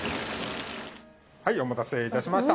お待たせいたしました。